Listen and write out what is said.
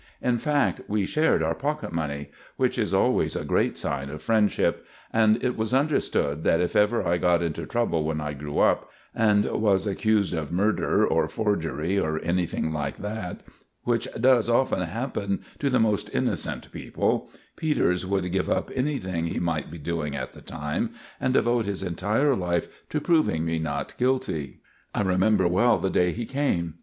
In fact we shared our pocket money, which is always a great sign of friendship; and it was understood that if ever I got into trouble when I grew up, and was accused of murder or forgery, or anything like that, which does often happen to the most innocent people, Peters would give up anything he might be doing at the time, and devote his entire life to proving me not guilty. I remember well the day he came.